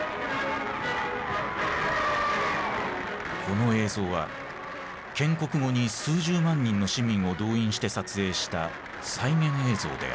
この映像は建国後に数十万人の市民を動員して撮影した再現映像である。